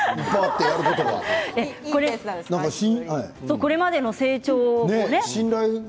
これまでの成長ね。